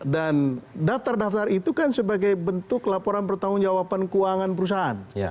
dan daftar daftar itu kan sebagai bentuk laporan bertanggung jawaban keuangan perusahaan